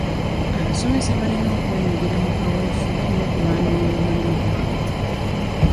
Abasomesa balina okwenyigira mu kawefube n'okulwanirira omulimu gwabwe.